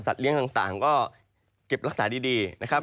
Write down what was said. เลี้ยงต่างก็เก็บรักษาดีนะครับ